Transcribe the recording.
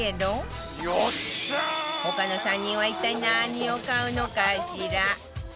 他の３人は一体何を買うのかしら？